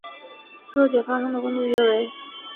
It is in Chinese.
热解发生的温度约为。